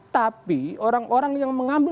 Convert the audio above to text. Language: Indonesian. tapi orang orang yang mengambil